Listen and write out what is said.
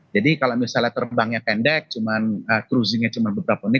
jadi kalau misalnya terbangnya pendek cruisingnya cuma beberapa menit